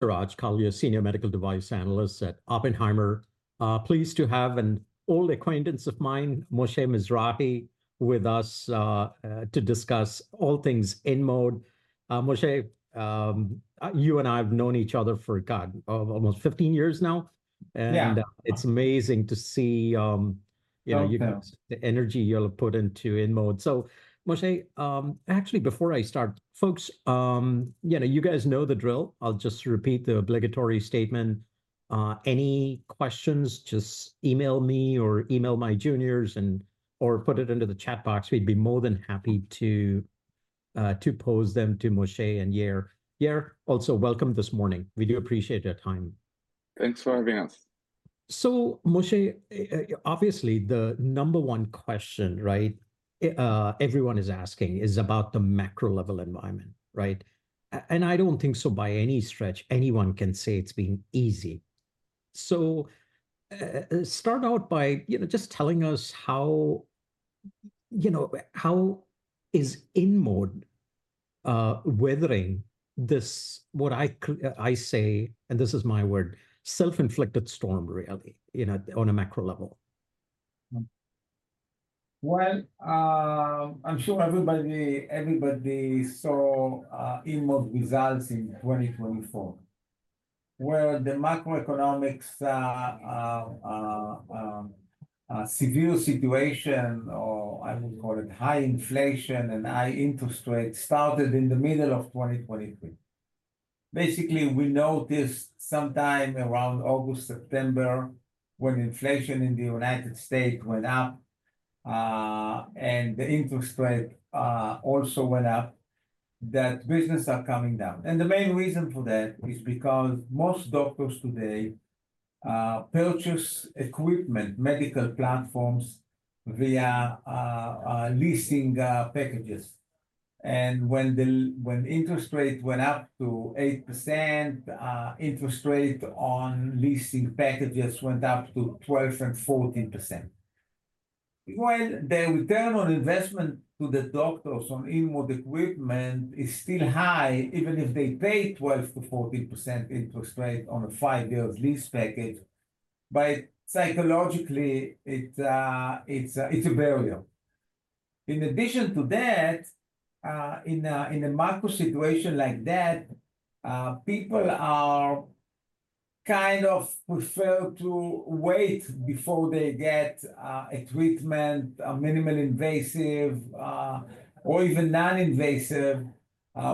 Suraj, called you a Senior Medical Device Analyst at Oppenheimer. Pleased to have an old acquaintance of mine, Moshe Mizrahy, with us to discuss all things InMode. Moshe, you and I have known each other for, God, almost 15 years now. Yeah. It is amazing to see, you know, the energy you'll put into InMode. Moshe, actually, before I start, folks, you know, you guys know the drill. I'll just repeat the obligatory statement. Any questions, just email me or email my juniors and/or put it into the chat box. We'd be more than happy to pose them to Moshe and Yair. Yair, also welcome this morning. We do appreciate your time. Thanks for having us. Moshe, obviously, the number one question, right, everyone is asking, is about the macro-level environment, right? I do not think, by any stretch, anyone can say it has been easy. Start out by, you know, just telling us how, you know, how is InMode weathering this, what I say, and this is my word, self-inflicted storm, really, you know, on a macro level? I'm sure everybody saw InMode results in 2024, where the macroeconomic severe situation, or I would call it high inflation and high interest rate, started in the middle of 2023. Basically, we noticed sometime around August, September, when inflation in the United States went up and the interest rate also went up, that businesses are coming down. The main reason for that is because most doctors today purchase equipment, medical platforms, via leasing packages. When the interest rate went up to 8%, interest rate on leasing packages went up to 12% and 14%. The return on investment to the doctors on InMode equipment is still high, even if they pay 12%-14% interest rate on a five-year lease package. Psychologically, it's a barrier. In addition to that, in a macro situation like that, people are kind of prefer to wait before they get a treatment, a minimally invasive or even non-invasive,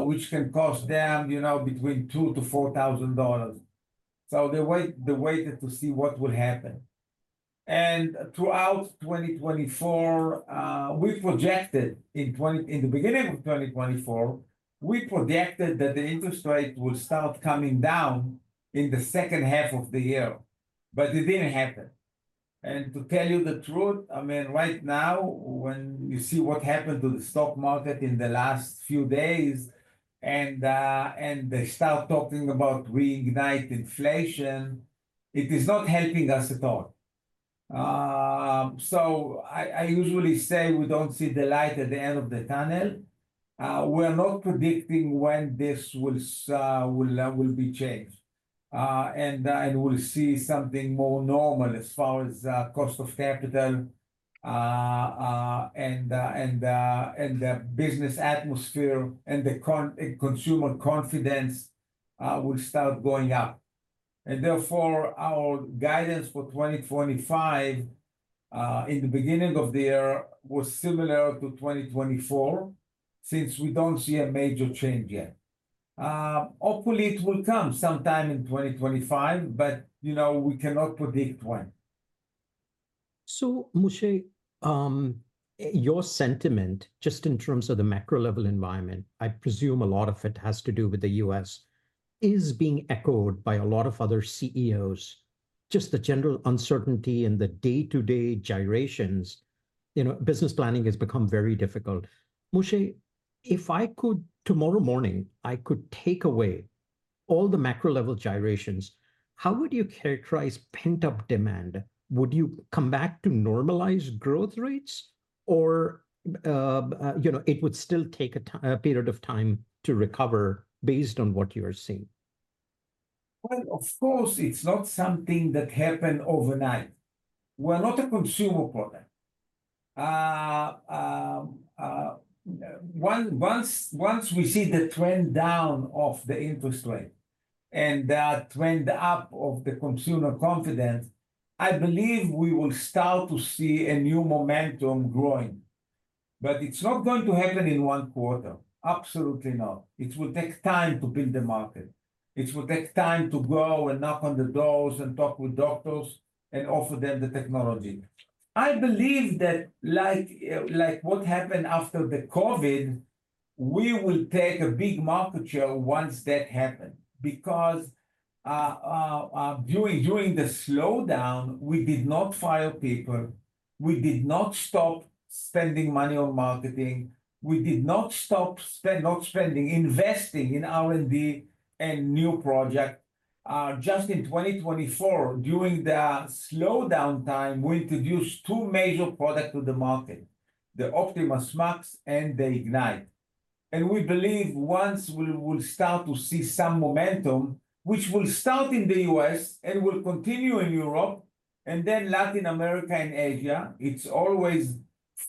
which can cost them, you know, between $2,000-$4,000. They waited to see what would happen. Throughout 2024, we projected in the beginning of 2024, we projected that the interest rate would start coming down in the second half of the year. It did not happen. To tell you the truth, I mean, right now, when you see what happened to the stock market in the last few days, and they start talking about reignite inflation, it is not helping us at all. I usually say we do not see the light at the end of the tunnel. We are not predicting when this will be changed. We will see something more normal as far as cost of capital and the business atmosphere, and the consumer confidence will start going up. Therefore, our guidance for 2025, in the beginning of the year, was similar to 2024, since we do not see a major change yet. Hopefully, it will come sometime in 2025, but, you know, we cannot predict when. Moshe, your sentiment, just in terms of the macro-level environment, I presume a lot of it has to do with the U.S., is being echoed by a lot of other CEOs. Just the general uncertainty in the day-to-day gyrations, you know, business planning has become very difficult. Moshe, if I could, tomorrow morning, I could take away all the macro-level gyrations, how would you characterize pent-up demand? Would you come back to normalized growth rates, or, you know, it would still take a period of time to recover based on what you are seeing? Of course, it's not something that happened overnight. We're not a consumer product. Once we see the trend down of the interest rate and that trend up of the consumer confidence, I believe we will start to see a new momentum growing. It's not going to happen in one quarter. Absolutely not. It will take time to build the market. It will take time to go and knock on the doors and talk with doctors and offer them the technology. I believe that, like what happened after the COVID, we will take a big market share once that happens. Because during the slowdown, we did not fire people. We did not stop spending money on marketing. We did not stop spending, not spending, investing in R&D and new projects. Just in 2024, during the slowdown time, we introduced two major products to the market, the Optimas Max and the Ignite. We believe once we will start to see some momentum, which will start in the US and will continue in Europe and then Latin America and Asia, it always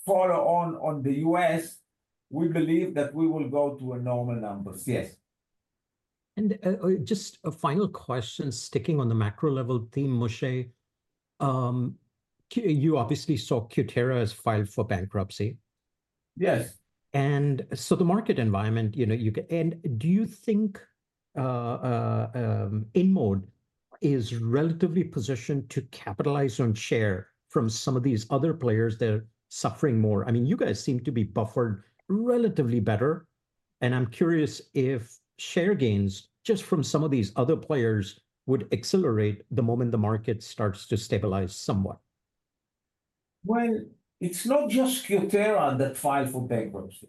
follow on the US, we believe that we will go to a normal number. Yes. Just a final question sticking on the macro-level theme, Moshe, you obviously saw Cutera has filed for bankruptcy. Yes. The market environment, you know, you can, and do you think InMode is relatively positioned to capitalize on share from some of these other players that are suffering more? I mean, you guys seem to be buffered relatively better. I am curious if share gains just from some of these other players would accelerate the moment the market starts to stabilize somewhat. It's not just Cutera that filed for bankruptcy.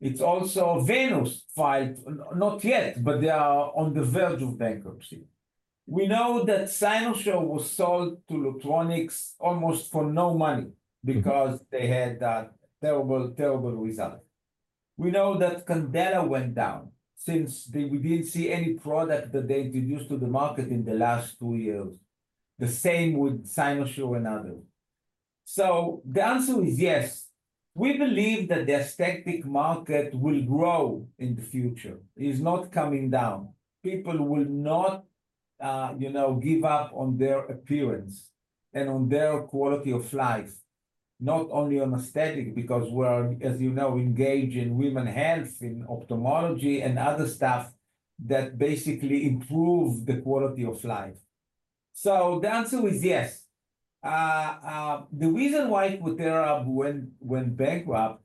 It's also Venus Concept filed, not yet, but they are on the verge of bankruptcy. We know that Cynosure was sold to Lutronics almost for no money because they had a terrible, terrible result. We know that Candela went down since we didn't see any product that they introduced to the market in the last two years. The same with Cynosure and others. The answer is yes. We believe that the aesthetic market will grow in the future. It is not coming down. People will not, you know, give up on their appearance and on their quality of life, not only on aesthetic, because we're, as you know, engaged in women's health, in ophthalmology and other stuff that basically improves the quality of life. The answer is yes. The reason why Cutera went bankrupt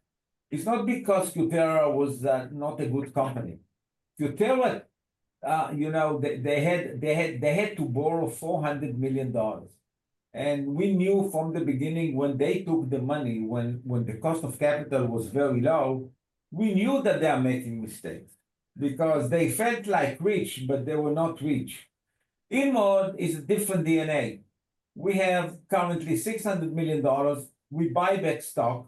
is not because Cutera was not a good company. Cutera, you know, they had to borrow $400 million. And we knew from the beginning when they took the money, when the cost of capital was very low, we knew that they are making mistakes because they felt like rich, but they were not rich. InMode is a different DNA. We have currently $600 million. We buy back stock,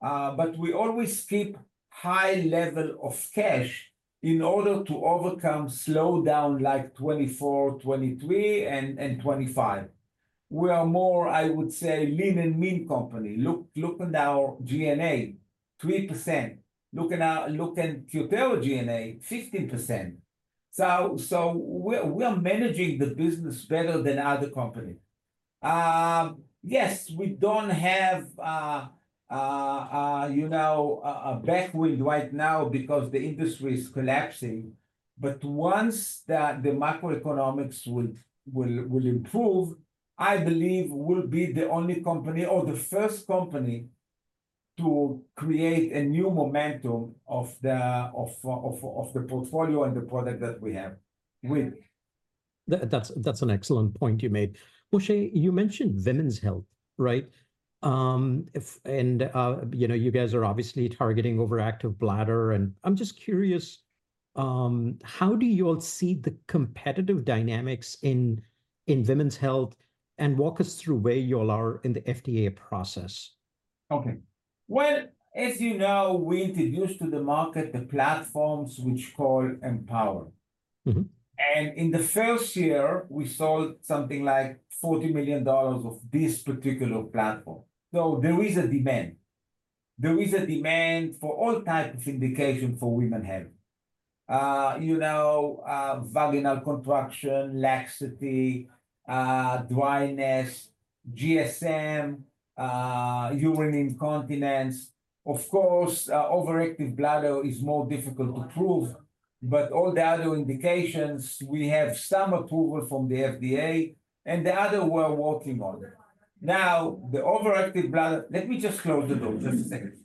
but we always keep a high level of cash in order to overcome slowdown like 2024, 2023, and 2025. We are more, I would say, lean and mean company. Look at our G&A, 3%. Look at Cutera G&A, 15%. So we are managing the business better than other companies. Yes, we don't have, you know, a backwind right now because the industry is collapsing. Once the macroeconomics will improve, I believe we'll be the only company or the first company to create a new momentum of the portfolio and the product that we have. That's an excellent point you made. Moshe, you mentioned women's health, right? You know, you guys are obviously targeting overactive bladder. I'm just curious, how do you all see the competitive dynamics in women's health and walk us through where you all are in the FDA process? As you know, we introduced to the market the platforms which we call Empower. In the first year, we sold something like $40 million of this particular platform. There is a demand. There is a demand for all types of indications for women's health, you know, vaginal contraction, laxity, dryness, GSM, urine incontinence. Of course, overactive bladder is more difficult to prove. All the other indications, we have some approval from the FDA, and the other we're working on. Now, the overactive bladder, let me just close the door just a second.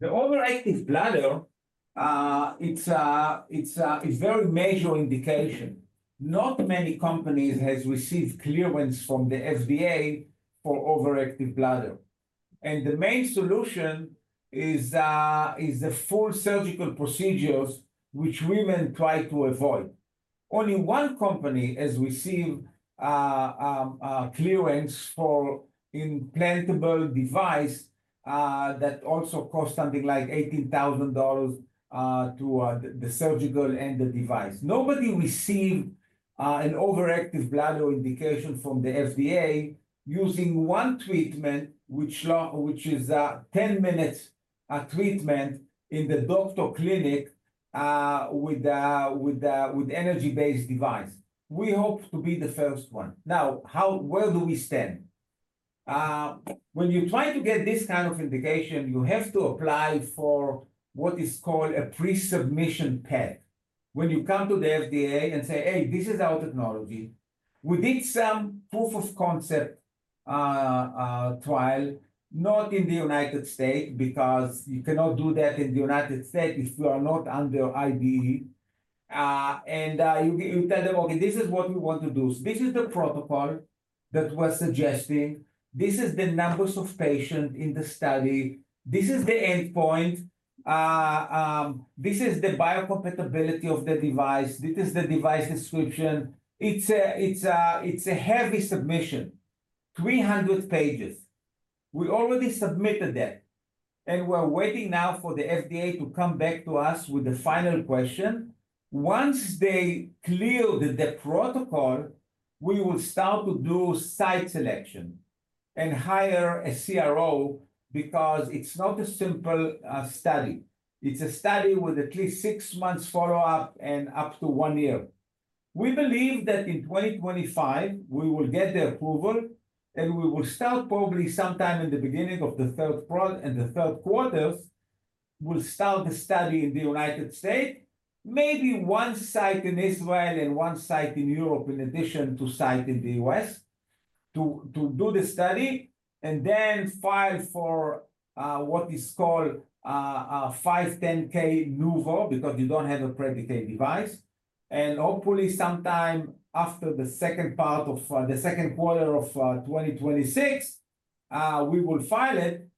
The overactive bladder, it's a very major indication. Not many companies have received clearance from the FDA for overactive bladder. The main solution is the full surgical procedures, which women try to avoid. Only one company has received clearance for implantable devices that also cost something like $18,000 to the surgical and the device. Nobody received an overactive bladder indication from the FDA using one treatment, which is a 10-minute treatment in the doctor clinic with an energy-based device. We hope to be the first one. Now, where do we stand? When you try to get this kind of indication, you have to apply for what is called a pre-submission path. When you come to the FDA and say, "Hey, this is our technology," we did some proof of concept trial, not in the United States because you cannot do that in the United States if you are not under IDE. You tell them, "Okay, this is what we want to do." This is the protocol that we're suggesting. This is the numbers of patients in the study. This is the endpoint. This is the biocompatibility of the device. This is the device description. It's a heavy submission, 300 pages. We already submitted that. We're waiting now for the FDA to come back to us with the final question. Once they clear the protocol, we will start to do site selection and hire a CRO because it's not a simple study. It's a study with at least six months follow-up and up to one year. We believe that in 2025, we will get the approval, and we will start probably sometime in the beginning of the third quarter. We'll start the study in the United States, maybe one site in Israel and one site in Europe in addition to a site in the US to do the study, and then file for what is called 510(k) Nuvo because you don't have a predicated device. Hopefully, sometime after the second part of the second quarter of 2026, we will file it.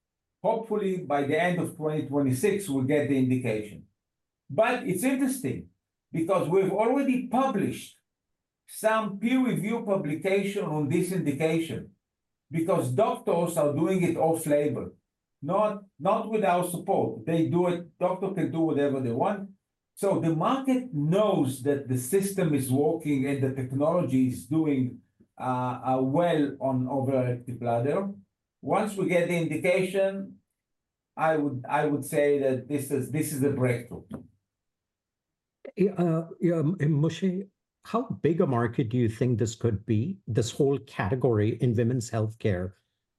Hopefully, by the end of 2026, we'll get the indication. It's interesting because we've already published some peer-reviewed publication on this indication because doctors are doing it off-label, not without support. They do it. Doctors can do whatever they want. The market knows that the system is working and the technology is doing well on overactive bladder. Once we get the indication, I would say that this is a breakthrough. Yeah. Moshe, how big a market do you think this could be, this whole category in women's healthcare?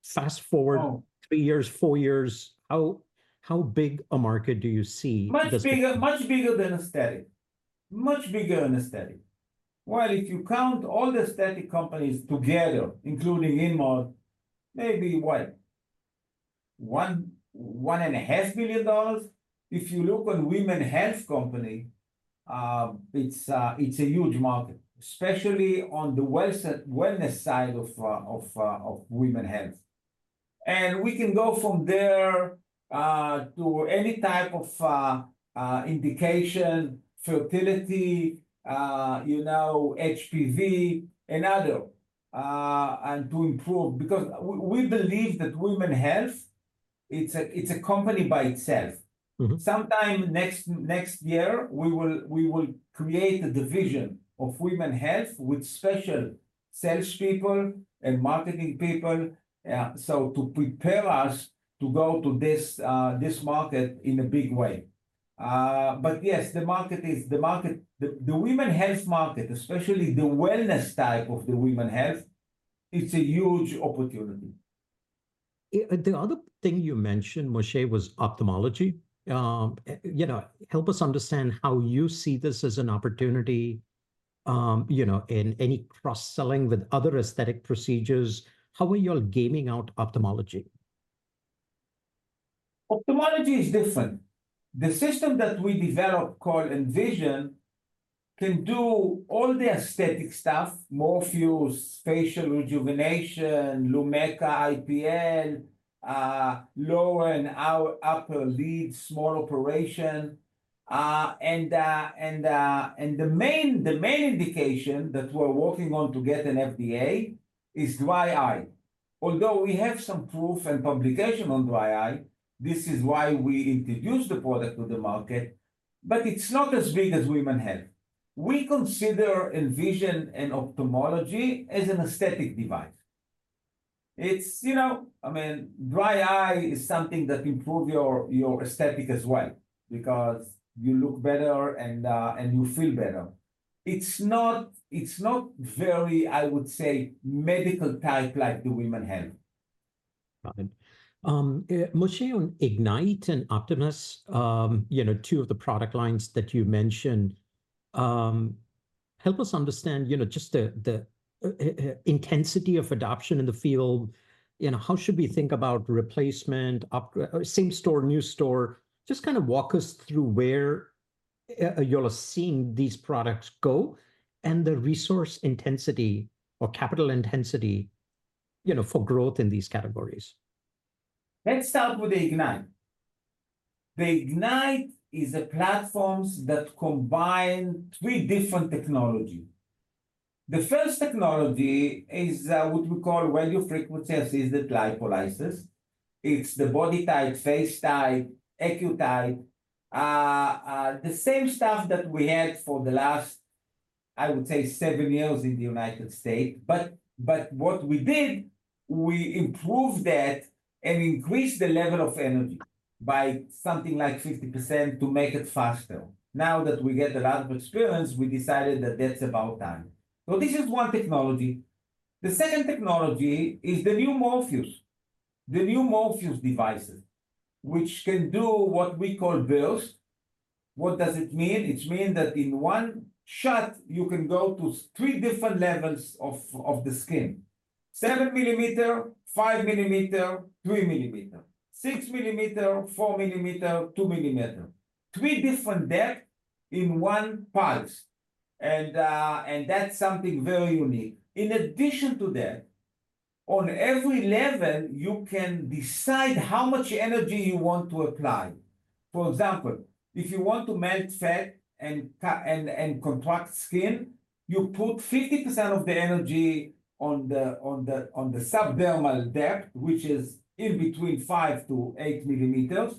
Fast forward three years, four years, how big a market do you see? Much bigger than aesthetic. Much bigger than aesthetic. If you count all the aesthetic companies together, including InMode, maybe what, $1.5 billion. If you look on women's health companies, it's a huge market, especially on the wellness side of women's health. We can go from there to any type of indication, fertility, you know, HPV, and other, and to improve. Because we believe that women's health, it's a company by itself. Sometime next year, we will create a division of women's health with special salespeople and marketing people to prepare us to go to this market in a big way. Yes, the market is the women's health market, especially the wellness type of the women's health. It's a huge opportunity. The other thing you mentioned, Moshe, was ophthalmology. You know, help us understand how you see this as an opportunity, you know, in any cross-selling with other aesthetic procedures. How are you all gaming out ophthalmology? Ophthalmology is different. The system that we developed called Envision can do all the aesthetic stuff, more fused facial rejuvenation, Lumecca, IPL, lower and upper lid, small operation. The main indication that we're working on to get an FDA is dry eye. Although we have some proof and publication on dry eye, this is why we introduced the product to the market. It's not as big as women's health. We consider Envision and ophthalmology as an aesthetic device. It's, you know, I mean, dry eye is something that improves your aesthetic as well because you look better and you feel better. It's not very, I would say, medical type like the women's health. Got it. Moshe, on Ignite and Optimus, you know, two of the product lines that you mentioned, help us understand, you know, just the intensity of adoption in the field. You know, how should we think about replacement, same store, new store? Just kind of walk us through where you all are seeing these products go and the resource intensity or capital intensity, you know, for growth in these categories. Let's start with the Ignite. The Ignite is a platform that combines three different technologies. The first technology is what we call radiofrequency-assisted lipolysis. It's the BodyTite, FaceTite, AccuTite, the same stuff that we had for the last, I would say, seven years in the United States. What we did, we improved that and increased the level of energy by something like 50% to make it faster. Now that we get a lot of experience, we decided that that's about time. This is one technology. The second technology is the new Morpheus, the new Morpheus devices, which can do what we call burst. What does it mean? It means that in one shot, you can go to three different levels of the skin: 7 millimeter, 5 millimeter, 3 millimeter, 6 millimeter, 4 millimeter, 2 millimeter. Three different depths in one pulse. That is something very unique. In addition to that, on every level, you can decide how much energy you want to apply. For example, if you want to melt fat and contract skin, you put 50% of the energy on the subdermal depth, which is in between 5-8 millimeters.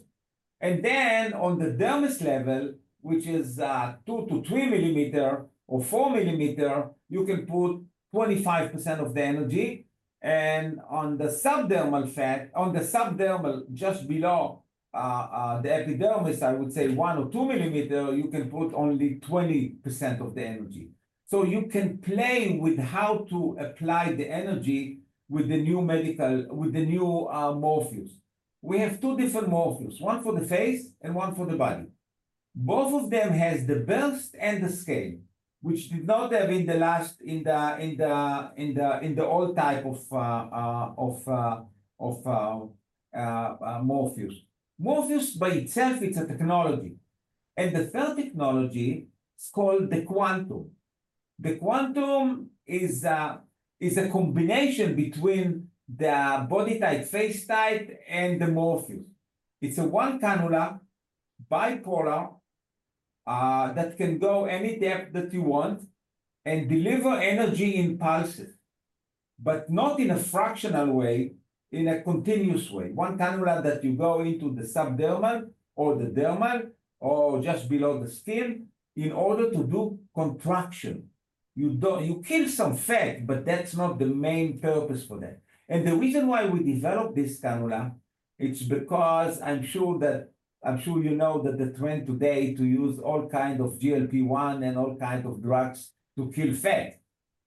Then on the dermis level, which is 2-3 millimeters or 4 millimeters, you can put 25% of the energy. On the subdermal fat, on the subdermal just below the epidermis, I would say 1 or 2 millimeters, you can put only 20% of the energy. You can play with how to apply the energy with the new medical, with the new Morpheus. We have two different Morpheus, one for the face and one for the body. Both of them have the burst and the scale, which did not have in the last, in the old type of Morpheus. Morpheus by itself, it's a technology. The third technology is called the Quantum. The Quantum is a combination between the body type, face type, and the Morpheus. It's a one-cannula bipolar that can go any depth that you want and deliver energy in pulses, but not in a fractional way, in a continuous way. One cannula that you go into the subdermal or the dermal or just below the skin in order to do contraction. You kill some fat, but that's not the main purpose for that. The reason why we developed this cannula, it's because I'm sure that, I'm sure you know that the trend today is to use all kinds of GLP-1 and all kinds of drugs to kill fat.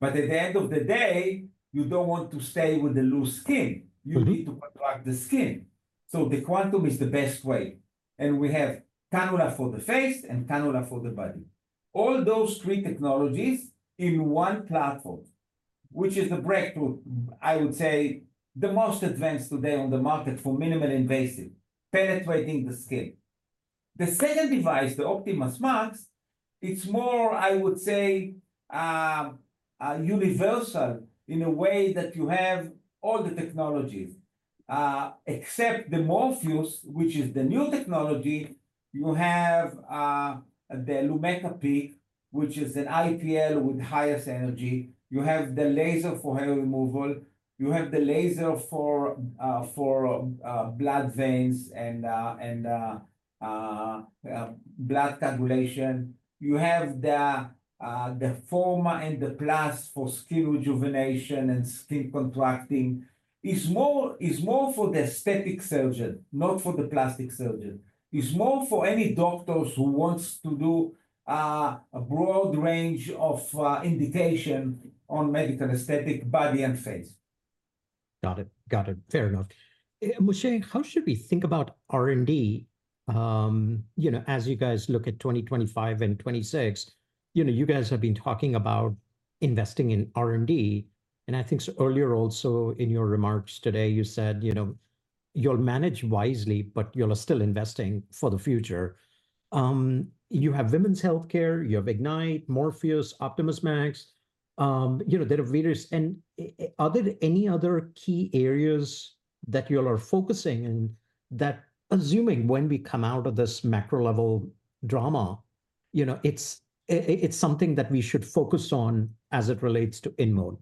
At the end of the day, you don't want to stay with the loose skin. You need to contract the skin. The Quantum is the best way. We have cannula for the face and cannula for the body. All those three technologies in one platform, which is the breakthrough, I would say, the most advanced today on the market for minimally invasive penetrating the skin. The second device, the Optimus Max, it's more, I would say, universal in a way that you have all the technologies except the Morpheus, which is the new technology. You have the Lumecca Peak, which is an IPL with highest energy. You have the laser for hair removal. You have the laser for blood veins and blood coagulation. You have the Forma and the Plus for skin rejuvenation and skin contracting. It's more for the aesthetic surgeon, not for the plastic surgeon. It's more for any doctor who wants to do a broad range of indication on medical aesthetic, body, and face. Got it. Got it. Fair enough. Moshe, how should we think about R&D, you know, as you guys look at 2025 and 2026? You know, you guys have been talking about investing in R&D. I think earlier also in your remarks today, you said, you know, you'll manage wisely, but you'll still invest for the future. You have women's healthcare. You have Ignite, Morpheus, Optimus Max. You know, there are various and are there any other key areas that you all are focusing in that, assuming when we come out of this macro-level drama, you know, it's something that we should focus on as it relates to InMode?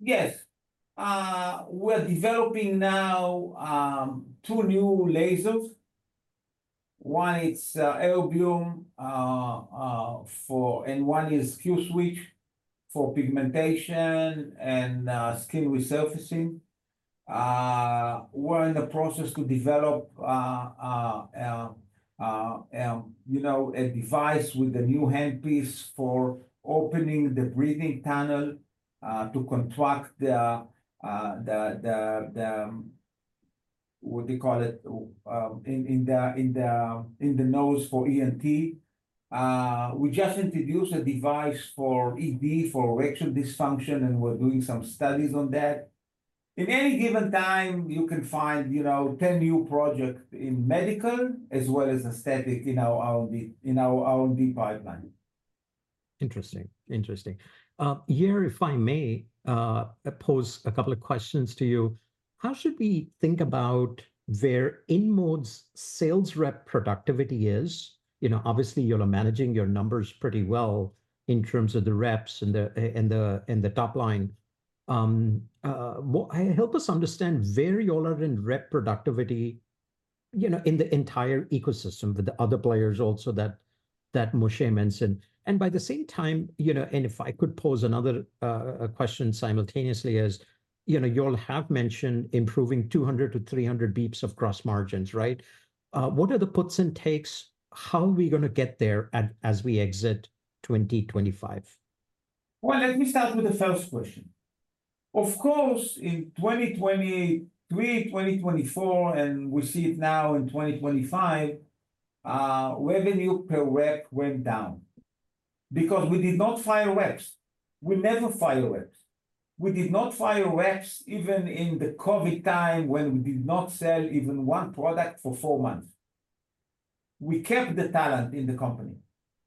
Yes. We're developing now two new lasers. One is Erbium for, and one is Q-Switch for pigmentation and skin resurfacing. We're in the process to develop, you know, a device with a new handpiece for opening the breathing tunnel to contract the, what do you call it, in the nose for ENT. We just introduced a device for ED for erection dysfunction, and we're doing some studies on that. In any given time, you can find, you know, 10 new projects in medical as well as aesthetic in our R&D pipeline. Interesting. Interesting. Yair, if I may pose a couple of questions to you. How should we think about where InMode's sales rep productivity is? You know, obviously, you all are managing your numbers pretty well in terms of the reps and the top line. Help us understand where you all are in rep productivity, you know, in the entire ecosystem with the other players also that Moshe mentioned. At the same time, you know, and if I could pose another question simultaneously is, you know, you all have mentioned improving 200 to 300 basis points of gross margins, right? What are the puts and takes? How are we going to get there as we exit 2025? Let me start with the first question. Of course, in 2023, 2024, and we see it now in 2025, revenue per rep went down because we did not fire reps. We never fired reps. We did not fire reps even in the COVID time when we did not sell even one product for four months. We kept the talent in the company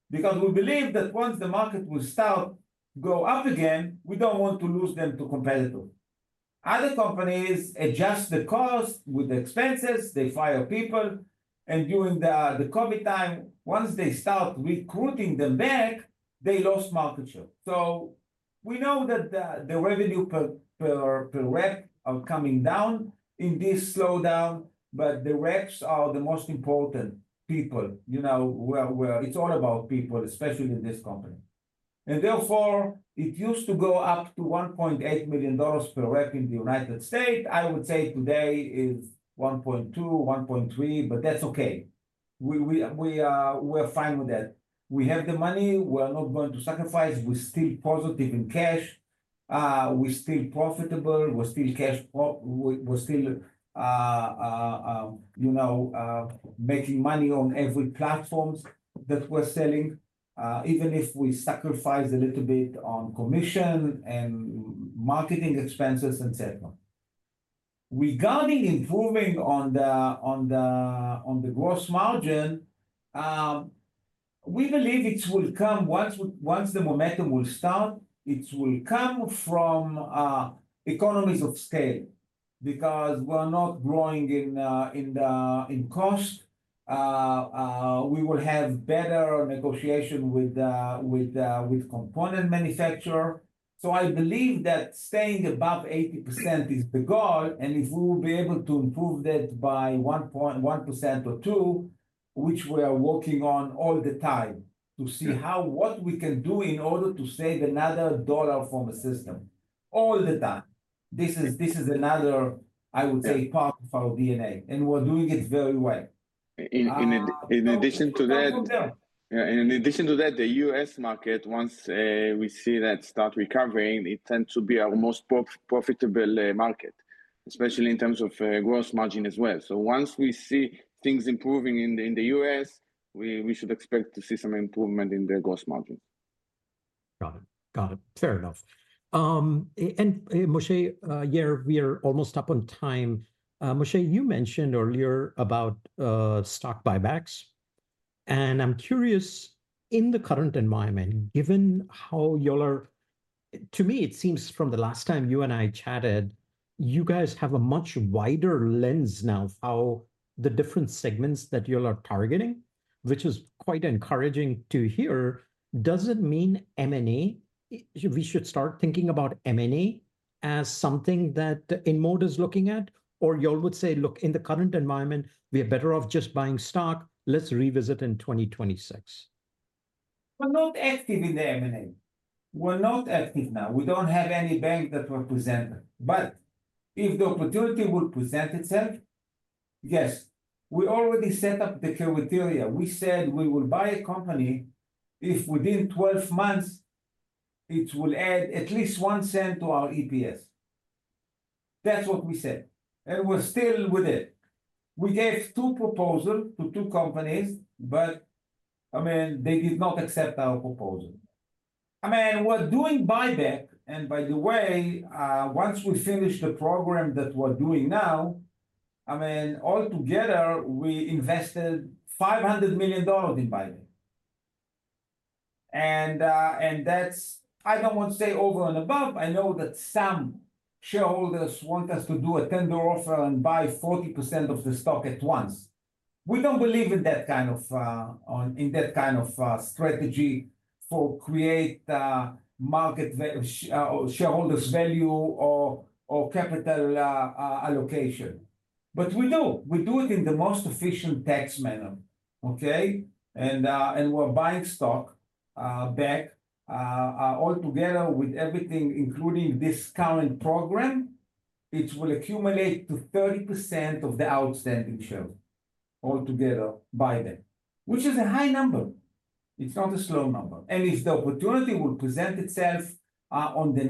because we believe that once the market will start to go up again, we do not want to lose them to competitors. Other companies adjust the cost with the expenses. They fire people. During the COVID time, once they start recruiting them back, they lost market share. We know that the revenue per rep are coming down in this slowdown, but the reps are the most important people. You know, it is all about people, especially in this company. It used to go up to $1.8 million per rep in the United States. I would say today is $1.2-$1.3 million, but that's okay. We are fine with that. We have the money. We're not going to sacrifice. We're still positive in cash. We're still profitable. We're still cash. We're still, you know, making money on every platform that we're selling, even if we sacrifice a little bit on commission and marketing expenses, et cetera. Regarding improving on the gross margin, we believe it will come once the momentum will start. It will come from economies of scale because we're not growing in cost. We will have better negotiation with component manufacturers. I believe that staying above 80% is the goal. If we will be able to improve that by 1% or 2%, which we are working on all the time to see what we can do in order to save another dollar from the system. All the time. This is another, I would say, part of our DNA. We are doing it very well. In addition to that, the US market, once we see that start recovering, it tends to be our most profitable market, especially in terms of gross margin as well. Once we see things improving in the US, we should expect to see some improvement in the gross margin. Got it. Got it. Fair enough. Moshe, Yair, we are almost up on time. Moshe, you mentioned earlier about stock buybacks. I am curious, in the current environment, given how you all are, to me, it seems from the last time you and I chatted, you guys have a much wider lens now of how the different segments that you all are targeting, which is quite encouraging to hear. Does it mean M&A? Should we start thinking about M&A as something that InMode is looking at, or would you all say, look, in the current environment, we are better off just buying stock? Let's revisit in 2026. We're not active in the M&A. We're not active now. We don't have any bank that represents. If the opportunity will present itself, yes. We already set up the criteria. We said we will buy a company if within 12 months, it will add at least 1% to our EPS. That's what we said. We're still with it. We gave two proposals to two companies, but they did not accept our proposal. I mean, we're doing buyback. By the way, once we finish the program that we're doing now, altogether, we invested $500 million in buyback. I don't want to say over and above. I know that some shareholders want us to do a tender offer and buy 40% of the stock at once. We do not believe in that kind of strategy for create market shareholders' value or capital allocation. We do it in the most efficient tax manner. Okay? We are buying stock back. Altogether, with everything, including this current program, it will accumulate to 30% of the outstanding share altogether by then, which is a high number. It is not a slow number. If the opportunity will present itself on the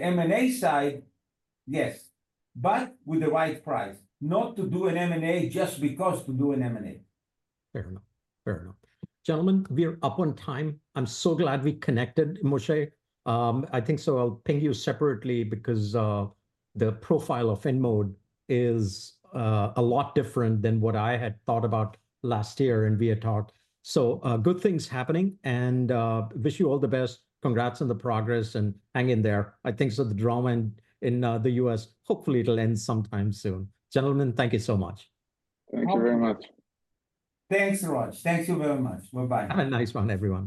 M&A side, yes, but with the right price, not to do an M&A just because to do an M&A. Fair enough. Fair enough. Gentlemen, we are up on time. I'm so glad we connected, Moshe. I think I'll ping you separately because the profile of InMode is a lot different than what I had thought about last year in ViaTalk. Good things happening. I wish you all the best. Congrats on the progress and hang in there. I think the drama in the U.S., hopefully it'll end sometime soon. Gentlemen, thank you so much. Thank you very much. Thanks so much. Thank you very much. Bye-bye. Have a nice one, everyone.